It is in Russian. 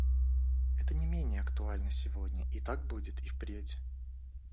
Это не менее актуально сегодня, и так будет и впредь.